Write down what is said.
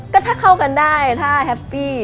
ก็ถ้าเข้ากันได้ถ้าแฮปปี้